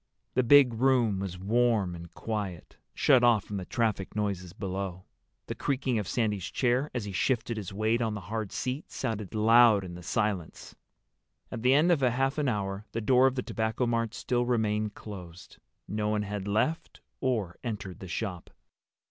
The big room was warm and quiet, shut off from the traffic noises below. The creaking of Sandy's chair, as he shifted his weight on the hard seat, sounded loud in the silence. At the end of half an hour the door of the Tobacco Mart still remained closed. No one had left or entered the shop.